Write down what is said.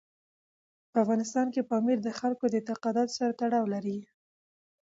په افغانستان کې پامیر د خلکو د اعتقاداتو سره تړاو لري.